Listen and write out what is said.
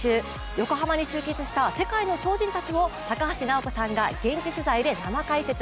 横浜に集結した世界の超人たちに高橋尚子さんが現地取材で生解説。